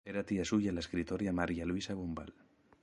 Era tía suya la escritora María Luisa Bombal.